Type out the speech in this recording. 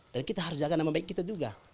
dan kita harus jaga nama baik kita juga